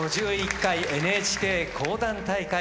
第５１回ＮＨＫ講談大会